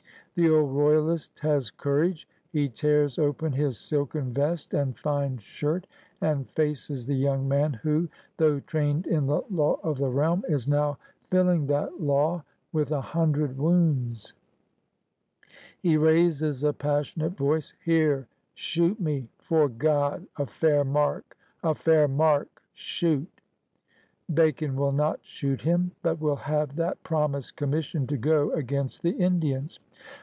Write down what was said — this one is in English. The old royalist has courage. He tears open his silken vest and fine shirt and faces the young man who, though trained in the law of the realm, is now fiUing that law with a hundred wounds. 178 PIONEERS OF THE OLD SOUTH He raises a passionate voice. ^^Here! Shoot me! Tore Grod, a fair mark — a fair mark! Shoot!*' Bacon will not shoot him, but will have that promised commission to go against the Indians.